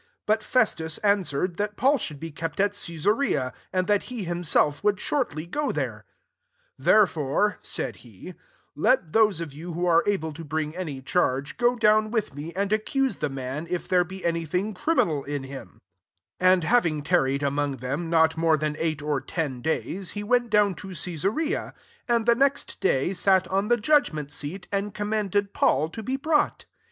4 But Festas answer ; ed) that Paul sfiould he kept at C^esarea, and that he himself would shortly go there. 5 •* Therefore, " said he, " let those of you who are able io bring any charge^ go down with tne^ and accuse the man, if there be any thing criminal in fdm,'*^ 6 And having tarried among them not more than eight or ten days, he went down to Ca sarea ; and the neit day sat on the judgmentHseat, and com manded Paul to be brought.